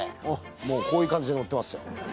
もうこういう感じで乗ってますよ。